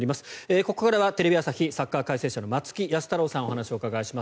ここからはテレビ朝日サッカー解説者の松木安太郎さんにお話をお伺いします。